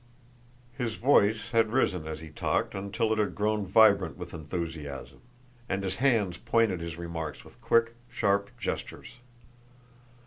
His voice had risen as he talked until it had grown vibrant with enthusiasm; and his hands pointed his remarks with quick, sharp gestures.